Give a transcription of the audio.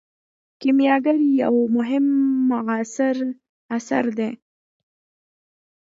کیمیاګر یو مهم معاصر اثر دی.